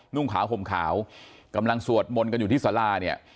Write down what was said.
นุ่งขาวห่มขาวกำลังสวดมนต์กันอยู่ที่สาราเนี่ย